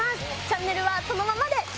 チャンネルはそのままで！